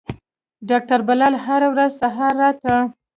ډاکتر بلال هره ورځ سهار راته.